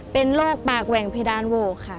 เป็นโรคปากแหว่งเพดานโหวค่ะ